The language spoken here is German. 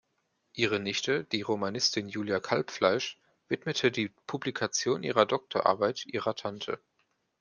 Ihre Nichte, die Romanistin Julia Kalbfleisch, widmete die Publikation ihrer Doktorarbeit ihrer Tante.